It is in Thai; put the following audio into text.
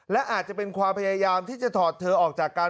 และอาจจะเป็นความพยายามที่จะถอดเธอออกจากกัน